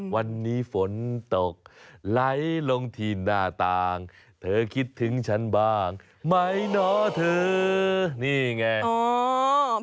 วันนี้ฝนตกไหลลงที่หน้าต่างเธอคิดถึงฉันบ้างไหมเนาะเธอนี่ไง